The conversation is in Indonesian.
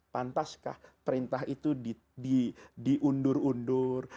pantaskah perintah itu diundur undur